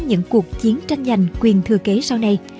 những cuộc chiến tranh giành quyền thừa kế sau này